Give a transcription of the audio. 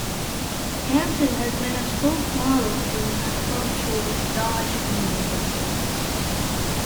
Hansen has been a spokes-model for Matco Tools, Dodge, and Rolls-Royce.